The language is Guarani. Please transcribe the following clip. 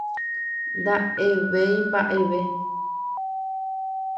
nda'evéimba'eve